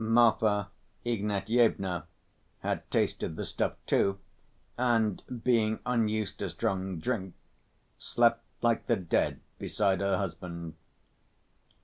Marfa Ignatyevna had tasted the stuff, too, and, being unused to strong drink, slept like the dead beside her husband.